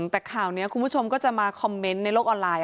แต่ข่าวนี้คุณผู้ชมก็จะมาคอมเมนต์ในโลกออนไลน